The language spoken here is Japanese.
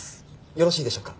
よろしいでしょうか？